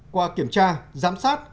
qua kiểm tra giám sát